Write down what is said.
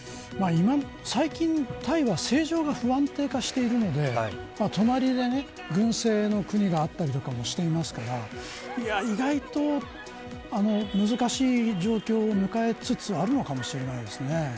最近、タイは政情が不安定化しているので隣で軍政の国があったりもしますから意外と難しい状況を迎えつつあるのかもしれません。